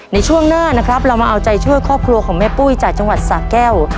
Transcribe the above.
ในช่วงหน้านะครับเรามาเอาใจช่วยครอบครัวของแม่ปุ้ยจากจังหวัดสะแก้ว